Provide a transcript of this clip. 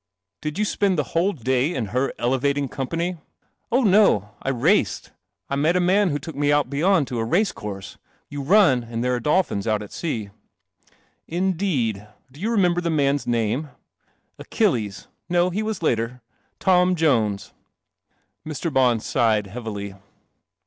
U D i spend the whole day in her ele vating company u Oh, I raced. I met a man who took mc out beyond t race cour . You run, and there ar i Lit at B u Indec I)' vou remember the man's ■•• Achilles. N >; he was later. Tom fonc .' Mr. B ighed heavily.